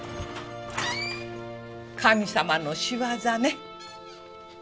神様の仕業ね。